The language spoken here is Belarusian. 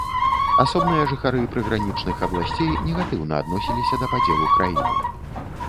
Асобныя жыхары прыгранічных абласцей негатыўна адносіліся да падзелу краіны.